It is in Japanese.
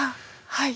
はい。